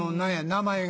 名前が。